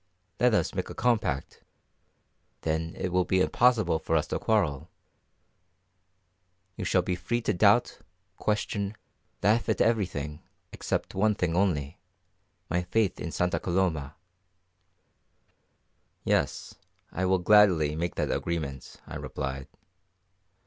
Let us make a compact, then it will be impossible for us to quarrel. You shall be free to doubt, question, laugh at everything, except one thing only my faith in Santa Coloma." "Yes, I will gladly make that agreement," I replied.